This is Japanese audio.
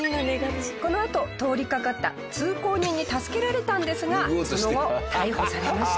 このあと通りかかった通行人に助けられたんですがその後逮捕されました。